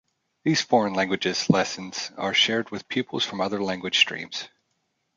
These foreign languages lessons are shared with pupils from other language streams.